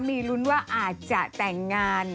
มีลุ้นว่าอาจจะแต่งงาน